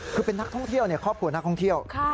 คือเป็นนักท่องเที่ยวครอบครัวนักท่องเที่ยว